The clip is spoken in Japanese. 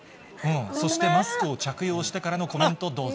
そしてマスクを着用してからのコメント、どうぞ。